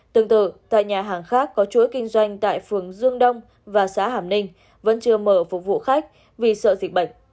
tương tự tại nhà hàng khác có chuỗi kinh doanh tại phường dương đông và xã hàm ninh vẫn chưa mở phục vụ khách vì sợ dịch bệnh